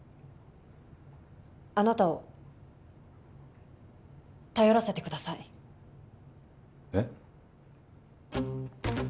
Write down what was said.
あなたを頼らせてくださいえっ？